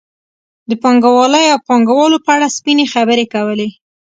د پانګوالۍ او پانګوالو په اړه سپینې خبرې کولې.